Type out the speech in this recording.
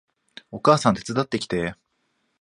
お母さん手伝ってきて